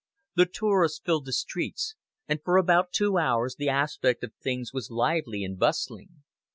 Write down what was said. The tourists filled the street, and for about two hours the aspect of things was lively and bustling.